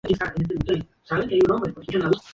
Cuatro marineros murieron en ese accidente.